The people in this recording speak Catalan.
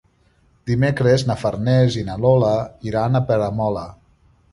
Dimecres na Farners i na Lola iran a Peramola.